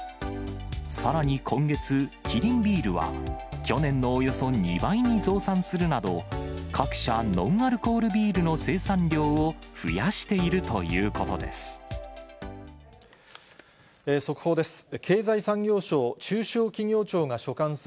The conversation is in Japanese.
さらに今月、キリンビールは、去年のおよそ２倍に増産するなど、各社、ノンアルコールビールの生産量を増やしているということです。